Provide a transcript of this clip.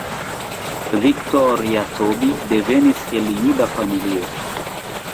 Viktor Jacobi devenis el juda familio.